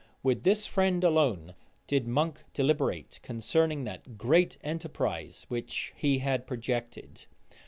With this friend alone did Monk deliberate concerning that great enterprise which he had projected.